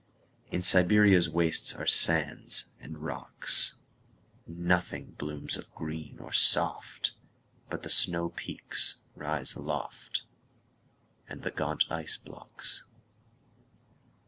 In Siberia's wastesAre sands and rocks. Nothing blooms of green or soft, But the snowpeaks rise aloftAnd the gaunt ice blocks.